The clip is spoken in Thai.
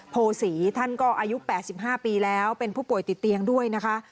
โพศีท่านก็อายุ๘๕ปีแล้วเป็นผู้ป่วยติดเตียงด้วยนะคะ